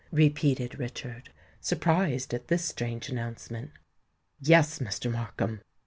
repeated Richard, surprised at this strange announcement. "Yes, Mr. Markham.